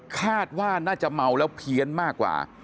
คาดว่าน่าจะเมาแล้วเพี้ยนมากกว่า